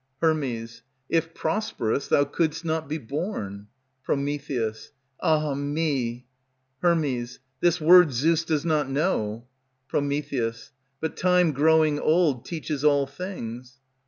Her. If prosperous, thou couldst not be borne. Pr. Ah me! Her. This word Zeus does not know. Pr. But time growing old teaches all things.